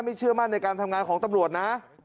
เชื่อมั่นในการทำงานของตำรวจนะ